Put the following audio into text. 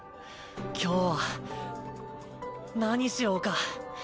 今日は何しようか。